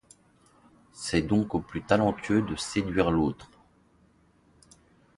C'est donc au plus talentueux de séduire l'autre.